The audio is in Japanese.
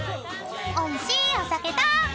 ［おいしいお酒と］